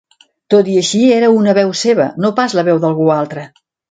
Tot i així, era una veu seva, no pas la veu d'algú altre.